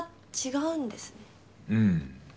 うん。